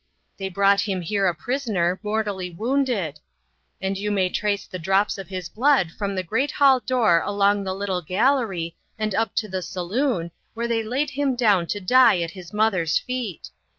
They brought him here a prisoner, mortally wounded; and you may trace the drops of his blood from the great hall door along the little gallery, and up to the saloon, where they laid him down to die at his mother's feet.